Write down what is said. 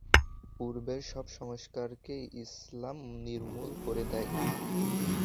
পূর্বের সব কুসংস্কারকে ইসলাম নির্মূল করে দেয়।